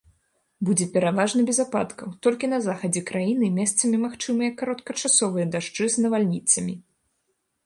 Будзе пераважна без ападкаў, толькі на захадзе краіны месцамі магчымыя кароткачасовыя дажджы з навальніцамі.